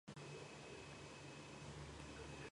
დასავლეთიდან ესაზღვრება კუსკოს და არეკიპას რეგიონები.